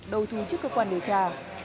đầu thú trước cơ quan điều tra